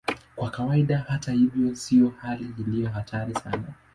Kwa kawaida, hata hivyo, sio hali iliyo hatari sana.